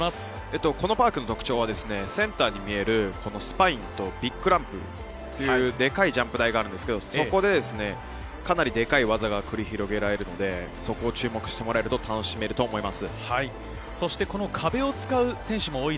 このパークの特徴は、センターに見えるスパインとビッグランプというデカいジャンプ台があるんですが、そこで、かなりでかい技が繰り広げられるんで、そこを注目してもらえると楽しめると思います。